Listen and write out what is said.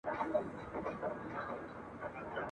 د هغه په دوه چنده عمر کي نه سي لیکلای ..